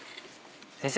先生